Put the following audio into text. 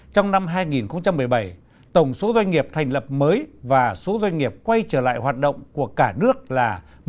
trong năm hai nghìn một mươi bảy tổng số doanh nghiệp thành lập mới và số doanh nghiệp quay trở lại hoạt động của cả nước là một trăm năm mươi ba ba trăm linh bảy